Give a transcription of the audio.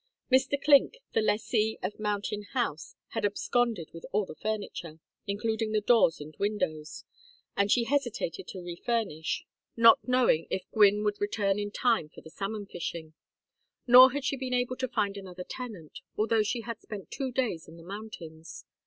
Mr. Clink, the lessee of Mountain House, had absconded with all the furniture, including the doors and windows, and she hesitated to refurnish, not knowing if Gwynne would return in time for the salmon fishing. Nor had she been able to find another tenant, although she had spent two days in the mountains.